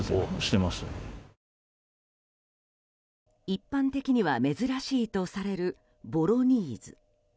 一般的には珍しいとされるボロニーズ。